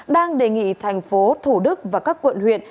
đang đề nghị thành phố thủ đức và các quận huyện